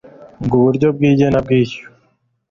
g Uburyo bw igenabwishyu